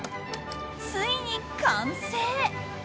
ついに完成！